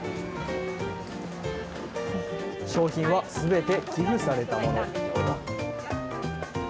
商品はすべて寄付されたもの。